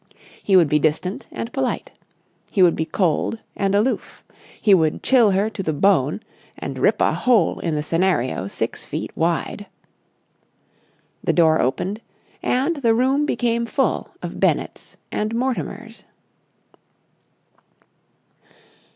He would be distant and polite. He would be cold and aloof. He would chill her to the bone, and rip a hole in the scenario six feet wide. The door opened, and the room became full of Bennetts and Mortimers.